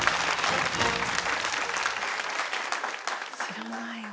知らないわ。